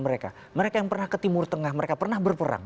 mereka mereka yang pernah ke timur tengah mereka pernah berperang